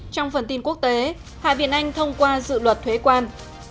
trong phần tin quốc tế hạ viện anh thông qua dự luật thuế quan